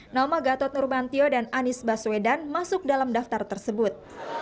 nama gatot nurmantio dan anies baswedan masuk dalam daftar tersebut